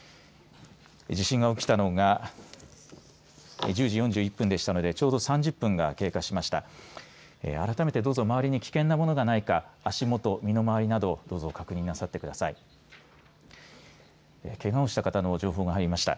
地震が起きたのが１０時４１分でしたのでちょうど３０分が経過しました。